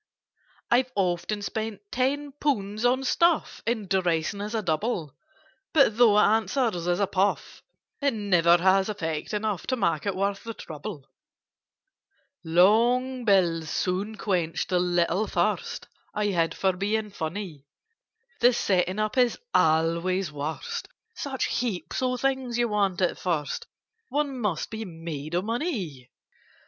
"I've often spent ten pounds on stuff, In dressing as a Double; But, though it answers as a puff, It never has effect enough To make it worth the trouble. [Picture: In dressing as a Double] "Long bills soon quenched the little thirst I had for being funny. The setting up is always worst: Such heaps of things you want at first, One must be made of money!